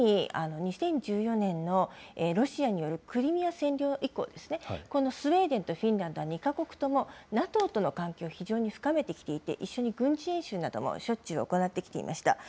特に２０１４年のロシアによるクリミア占領以降ですね、スウェーデンとフィンランドは、２か国ともＮＡＴＯとの関係を非常に深めてきていて、一緒に軍事演習などもしょっちゅう行ってきました。